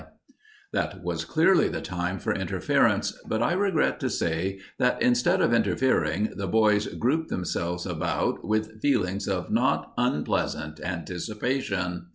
[Illustration: Irish Terrier] That was clearly the time for interference, but I regret to say that instead of interfering, the boys grouped themselves about with feelings of not unpleasant anticipation.